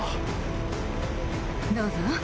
どうぞ。